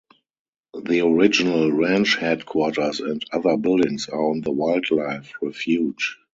The original ranch headquarters and other buildings are on the wildlife refuge.